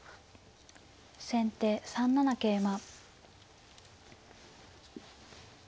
先手３七桂馬。